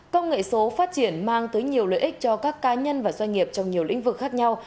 công nghệ số phát triển mang tới nhiều lợi ích cho các cá nhân và doanh nghiệp trong nhiều lĩnh vực khác nhau